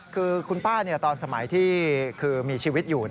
คือคุณป้าตอนสมัยที่คือมีชีวิตอยู่